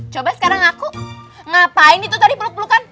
coba sekarang ngaku ngapain itu tadi peluk pelukan